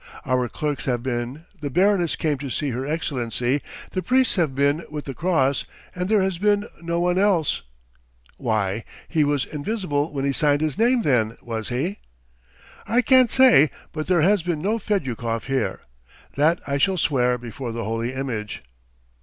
Our clerks have been, the baroness came to see her Excellency, the priests have been with the Cross, and there has been no one else. ..." "Why, he was invisible when he signed his name, then, was he?" "I can't say: but there has been no Fedyukov here. That I will swear before the holy image.